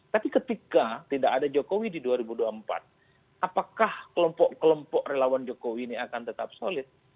tapi ketika tidak ada jokowi di dua ribu dua puluh empat apakah kelompok kelompok relawan jokowi ini akan tetap solid